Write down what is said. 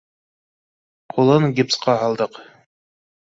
Ҡулын гипсҡа һалдыҡ